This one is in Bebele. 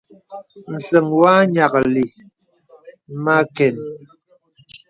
Nsəŋ wɔ nyìaklì mə àkən.